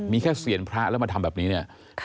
มีแค่เสียงพระแล้วมาทำแบบนี้เนี่ย